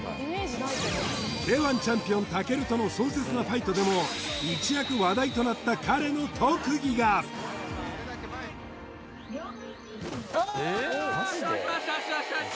Ｋ−１チャンピオン武尊との壮絶なファイトでも一躍話題となったよしよしよしよしよしよしよし